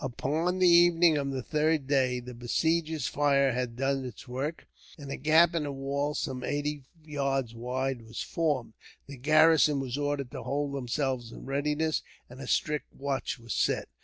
Upon the evening of the third day, the besiegers' fire had done its work, and a gap in the wall some eighty yards wide was formed. The garrison were ordered to hold themselves in readiness, and a strict watch was set.